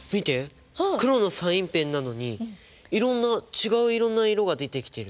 黒のサインペンなのにいろんな違ういろんな色が出てきてる。